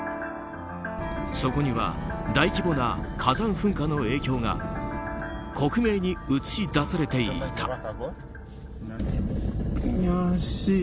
そこには大規模な火山噴火の影響が克明に映し出されていた。